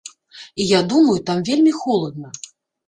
І я думаю, там вельмі холадна.